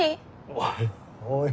おいおい